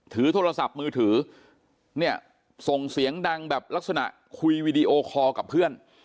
ถือโทรศัพท์มือถือเนี่ยส่งเสียงดังแบบลักษณะคุยวีดีโอคอร์กับเพื่อน